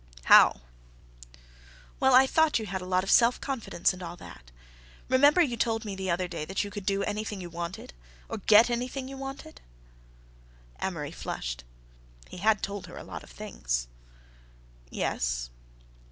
"How?" "Well, I thought you had a lot of self confidence and all that; remember you told me the other day that you could do anything you wanted, or get anything you wanted?" Amory flushed. He had told her a lot of things. "Yes."